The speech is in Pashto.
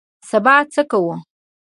سبا څه کوو؟